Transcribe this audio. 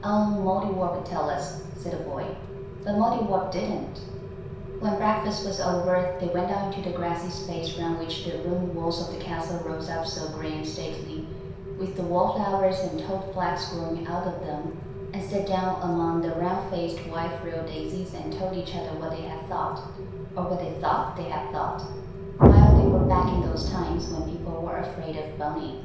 "Oh, Mouldiwarp'll tell us," said the boy. But Mouldiwarp didn't. When breakfast was over they went out into the grassy space round which the ruined walls of the castle rose up so grey and stately, with the wallflowers and toad flax growing out of them, and sat down among the round faced, white frilled daisies and told each other what they had thought, or what they thought they had thought, while they were back in those times when people were afraid of Boney.